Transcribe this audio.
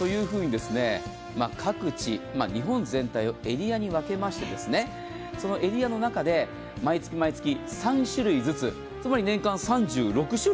というふうに各地域日本全体をエリアに分けましてそのエリアの中で毎月３種類ずつつまり年間３６種類。